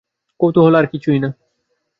কৌতূহল, আর কিছুই না।